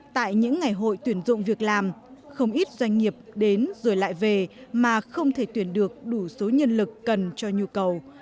tại những ngày hội tuyển dụng việc làm không ít doanh nghiệp đến rồi lại về mà không thể tuyển được đủ số nhân lực cần cho nhu cầu